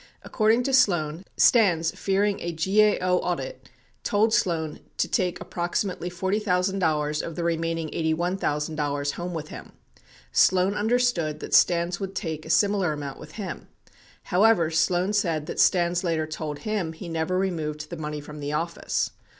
69 According to Sloan, Stans, fearing a GAO audit, told Sloan to take approximately $40,000 of the remaining $81,000 home with him. 70 Sloan understood that Stans would take a similar amount with him. However, Sloan said that Stans later told him he never removed the money from the office.